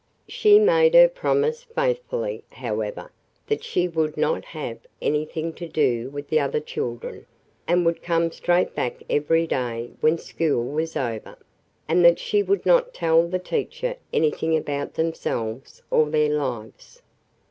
She made her promise faithfully, however, that she would not have anything to do with the other children and would come straight back every day when school was over, and that she would not tell the teacher anything about themselves or their lives.